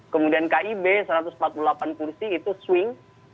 kemudian kib satu ratus empat puluh delapan kursi itu swing